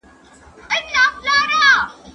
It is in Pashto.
زه به اوبه پاکې کړې وي.